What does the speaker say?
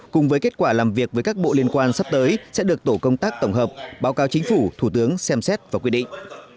cùng với kết quả làm việc với các bộ liên quan sắp tới sẽ được tổ công tác tổng hợp báo cáo chính phủ thủ tướng xem xét và quyết định